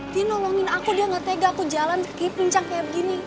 dia nolongin aku dia gak tega aku jalan kayak pincang kayak begini